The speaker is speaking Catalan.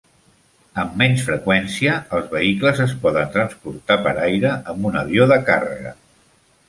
Amb menys freqüència, els vehicles es poden transportar per aire amb un avió de càrrega.